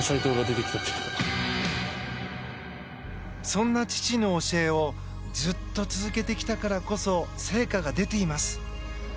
そんな父の教えをずっと続けてきたからこそ成果が出ています。